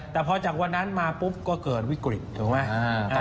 แต่พอจากวันนั้นมาปุ๊บก็เกิดวิกฤตถูกไหม